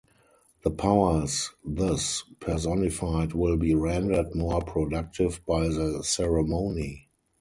The powers thus personified will be rendered more productive by the ceremony.